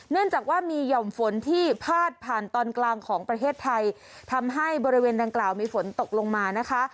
เนื่องจากว่ามีหย่อมฝนที่พาดผ่านตอนกลางของประเทศไทยทำให้บริเวณดังกล่าวมีฝนตกลงมานะคะ